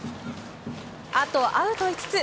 あとアウト５つ。